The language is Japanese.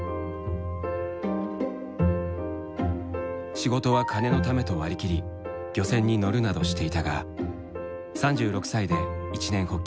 仕事は金のためと割り切り漁船に乗るなどしていたが３６歳で一念発起。